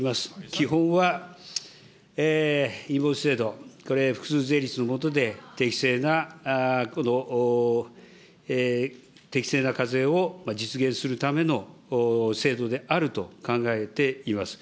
基本はインボイス制度、これ、複数税率のもとで適正な課税を実現するための制度であると考えています。